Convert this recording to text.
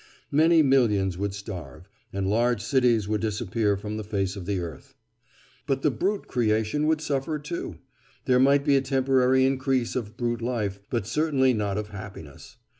Many millions would starve, and large cities would disappear from the face of the earth. But the brute creation would suffer too. There might be a temporary increase of brute life, but certainly not of happiness.